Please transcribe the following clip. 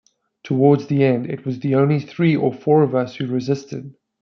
Towards the end, it was only three or four of us who resisted.